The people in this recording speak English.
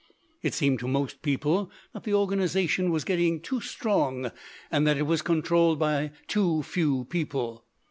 It seemed to most people that the organization was getting too strong and that it was controlled by too few people.